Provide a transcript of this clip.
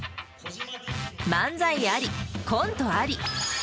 漫才あり、コントあり。